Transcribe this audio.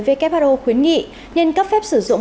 who khuyến nghị nên cấp phép sử dụng